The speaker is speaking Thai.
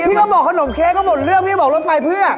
เขาบอกขนมเค้กก็หมดเรื่องพี่บอกรถไฟเพื่อ